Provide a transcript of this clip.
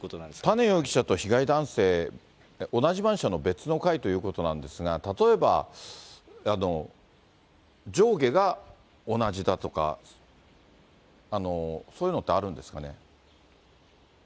多禰容疑者と被害男性、同じマンションの別の階ということなんですが、例えば、上下が同じだとか、そういうのってあるんですかね。